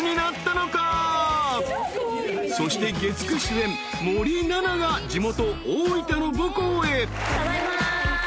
［そして月９主演森七菜が地元大分の母校へ］